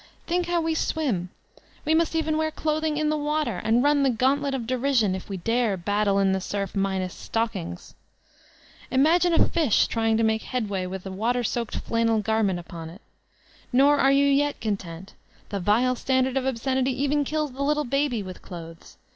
Think how we swim ! We must even wear clothing in the water, and run the gauntlet of derision, if we dare battle in the surf minus stockings 1 Imagine a fish trying to make headway with a water soaked flannel garment upon it Nor are you yet content The vile standard of obscenity even kills the little babies with clothes.